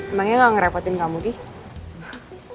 emangnya gak ngerepotin kamu deh